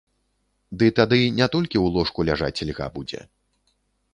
Ды тады не толькі ў ложку ляжаць льга будзе.